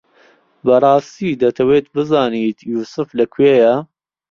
بەڕاستی دەتەوێت بزانیت یووسف لەکوێیە؟